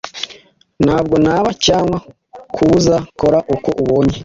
Ntabwo naba cyangwa kubuza kora uko ubonye